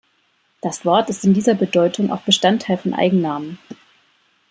Das Wort ist in dieser Bedeutung auch Bestandteil von Eigennamen.